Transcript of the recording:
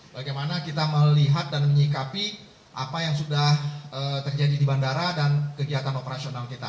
bagaimana kita melihat dan menyikapi apa yang sudah terjadi di bandara dan kegiatan operasional kita